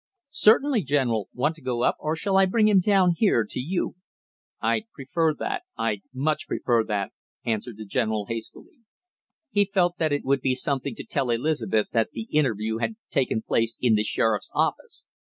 "Certainly, General! Want to go up, or shall I bring him down here to you?" "I'd prefer that I'd much prefer that!" answered the general hastily. He felt that it would be something to tell Elizabeth that the interview had taken place in the sheriff's office.